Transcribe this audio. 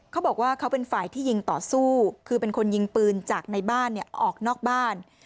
เขาบอกว่าเขาเป็นฝ่ายที่ยิงต่อสู้คือเป็นคนยิงปืนจากในบ้านออกนอกบ้าน